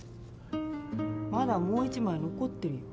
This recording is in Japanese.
まだもう１枚残ってるよ。